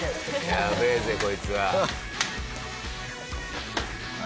やべえぜこいつは。